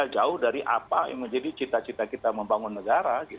jauh dari apa yang menjadi cita cita kita membangun negara